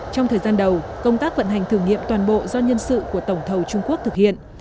trong thời gian đầu công tác vận hành thử nghiệm toàn bộ do nhân sự của tổng thầu trung quốc thực hiện